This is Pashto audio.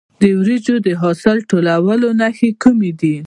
د وریجو د حاصل ټولولو نښې کومې دي؟